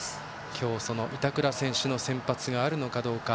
今日、板倉選手の先発があるのかどうか。